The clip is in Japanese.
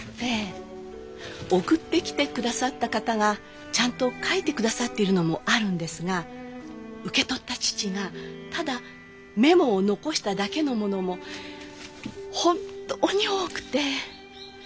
送ってきてくださった方がちゃんと書いてくださっているのもあるんですが受け取った父がただメモを残しただけのものも本当に多くて。